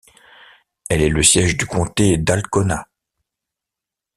Elle est le siège du comté d'Alcona.